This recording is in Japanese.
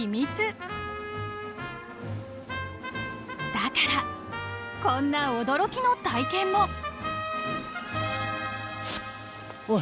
［だからこんな驚きの体験も］おい。